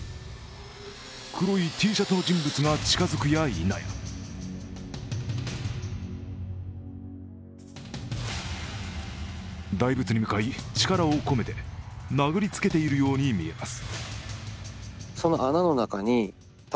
黒いＴシャツの人物が近づくやいなや大仏に向かい、力を込めて殴りつけているように見えます。